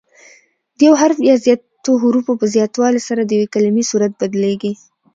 د یو حرف یا زیاتو حروفو په زیاتوالي سره د یوې کلیمې صورت بدلیږي.